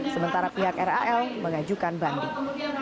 sementara pihak ral mengajukan banding